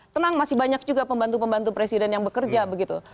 tenang masih banyak juga pembantu pembantu presiden yang bekerja begitu